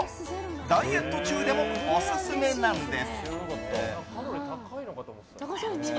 ダイエット中でもオススメなんです。